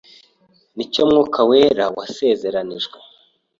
ni cyo Mwuka Wera wasezeranijwe